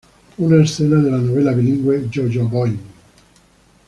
Una escena de la novela bilingüe, Yo-Yo Boing!